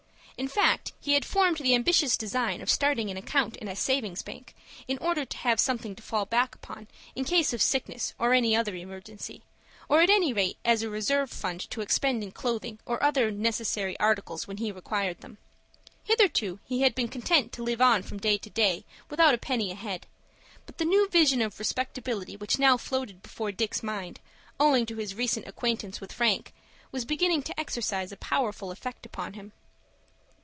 In fact he had formed the ambitious design of starting an account at a savings' bank, in order to have something to fall back upon in case of sickness or any other emergency, or at any rate as a reserve fund to expend in clothing or other necessary articles when he required them. Hitherto he had been content to live on from day to day without a penny ahead; but the new vision of respectability which now floated before Dick's mind, owing to his recent acquaintance with Frank, was beginning to exercise a powerful effect upon him.